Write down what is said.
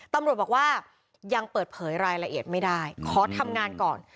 ตำรวจบอกว่ายังเปิดเผยรายละเอียดไม่ได้ขอทำงานก่อน